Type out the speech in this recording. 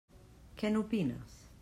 Què n'opines?